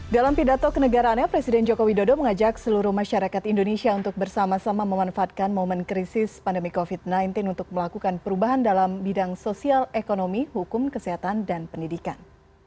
dalam pidato kenegaraannya presiden joko widodo mengajak seluruh masyarakat indonesia untuk bersama sama memanfaatkan momen krisis pandemi covid sembilan belas untuk melakukan perubahan dalam bidang sosial ekonomi hukum kesehatan dan pendidikan